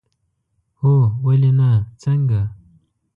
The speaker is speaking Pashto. هو، ولې نه، څنګه؟